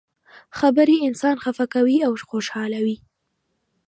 خبرې انسان خفه کوي او خوشحالوي.